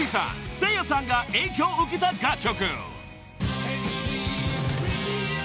セイヤさんが影響を受けた楽曲］